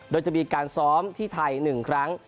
โดยจะมีการซ้อมที่ไทย๑ครั้ง